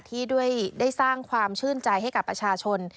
ที่ได้สร้างความชื่นใจให้กับประชาชน